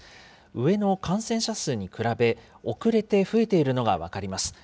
上の感染者数に比べ、遅れて増えているのが分かります。